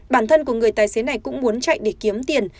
bản thân của người tài xế này cũng muốn chạy để kiếm tiền